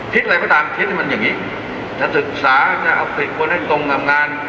คิดอะไรไปตามคิดมันอย่างนี้จะศึกษาจะเอาคนให้ตรงทำงาน